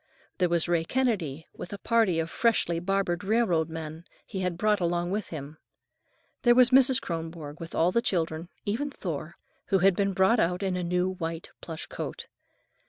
There was Ray Kennedy, with a party of freshly barbered railroad men he had brought along with him. There was Mrs. Kronborg with all the children, even Thor, who had been brought out in a new white plush coat.